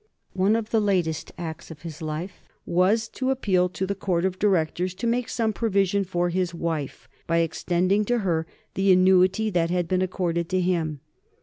One of the latest acts of his life was to appeal to the Court of Directors to make some provision for his wife, by extending to her the annuity that had been accorded to him.